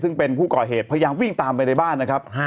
ซึ่งเป็นผู้ก่อเหตุพยายามวิ่งตามไปในบ้านนะครับ